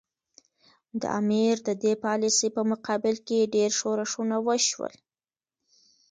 د امیر د دې پالیسي په مقابل کې ډېر ښورښونه وشول.